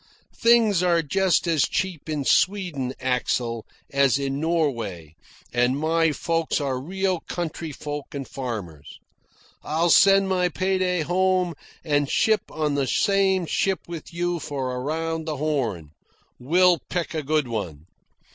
Things are just as cheap in Sweden, Axel, as in Norway, and my folks are real country folk and farmers. I'll send my pay day home and ship on the same ship with you for around the Horn. We'll pick a good one."